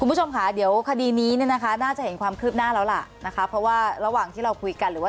คุณผู้ชมค่ะเดี๋ยวคดีนี้น่าจะเห็นความคืบหน้าแล้วล่ะนะคะ